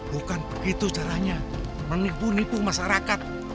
bukan begitu caranya menipu nipu masyarakat